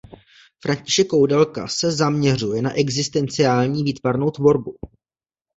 František Koudelka se zaměřuje na existenciální výtvarnou tvorbu.